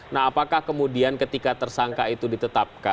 nah apakah kemudian ketika tersangka itu ditetapkan